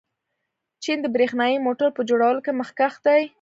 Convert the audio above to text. چین د برښنايي موټرو په جوړولو کې مخکښ دی.